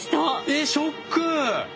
えショック！